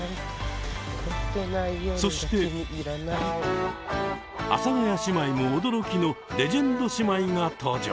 そして阿佐ヶ谷姉妹も驚きのレジェンド姉妹が登場。